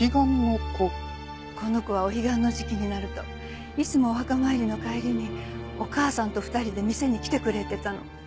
この子はお彼岸の時期になるといつもお墓参りの帰りにお母さんと２人で店に来てくれていたの。